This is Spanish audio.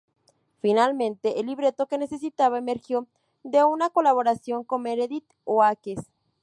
Finalmente, el libreto que necesitaba emergió de una colaboración con Meredith Oakes.